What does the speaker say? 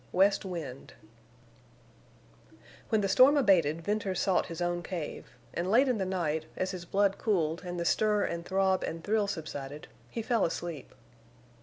WEST WIND When the storm abated Venters sought his own cave, and late in the night, as his blood cooled and the stir and throb and thrill subsided, he fell asleep.